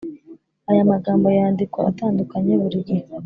Aya magambo yandikwa atandukanye buri gihe